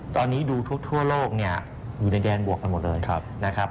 ตอนนี้ดูทั่วโลกอยู่ในแดนบวกเหมือนกันหมดเลย